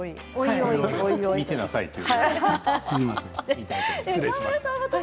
見てくださいと。